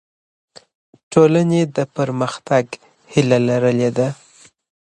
ټولنه د پرمختګ هیله لرلې ده.